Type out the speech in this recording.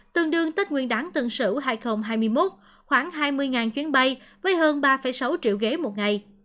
tương đương tết nguyên đáng tân sửu hai nghìn hai mươi một khoảng hai mươi chuyến bay với hơn ba sáu triệu ghế một ngày